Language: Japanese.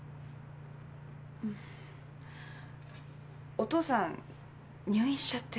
お父さん入院しちゃって。